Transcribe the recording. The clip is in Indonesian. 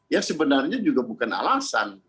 ya sebenarnya juga bukan alasan